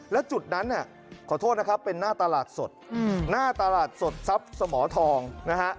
แล้วจุดนั้นเนี่ยขอโทษนะครับเป็นหน้าตลาดสดหน้าตลาดสดทรัพย์สมทองนะฮะ